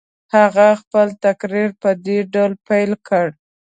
هغه خپل تقریر په دې ډول پیل کړ.